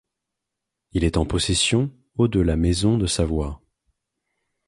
Il est en possession au de la Maison de Savoie.